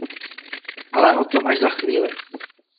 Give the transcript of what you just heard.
Ale o tom až za chvíli...